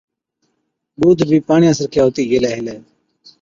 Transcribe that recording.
ڏُوڌ بِي پاڻِيان سِرکَي هُتِي گيلَي هِلَي۔